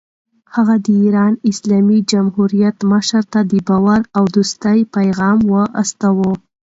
هغه د ایران اسلامي جمهوریت مشر ته د باور او دوستۍ پیغام واستاوه.